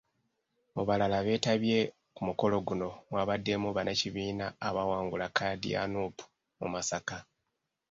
Mu balala abeetabye ku mukolo guno mwabaddemu bannakibiina abaawangula kkaadi ya Nuupu mu Masaka.